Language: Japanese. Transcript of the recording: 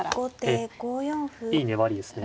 ええいい粘りですね。